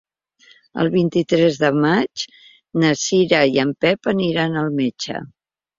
El vint-i-tres de maig na Cira i en Pep aniran al metge.